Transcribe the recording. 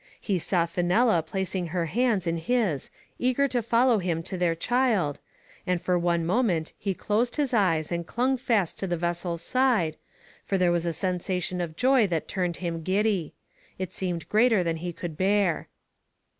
He saw Fenella plac ing her hands in his, eager to follow him to their child, and for one moment he closed his eyes and clung fast to the vessel's side, for there was a sen sation of joy that turned him giddy. It seemed greater than he could bear.